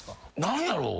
何やろう。